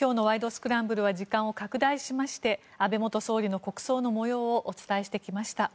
スクランブル」は時間を拡大しまして安倍元総理の国葬の模様をお伝えしてきました。